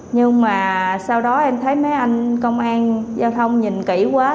nhưng mà sau đó em thấy mấy anh công an giao thông nhìn kỹ quá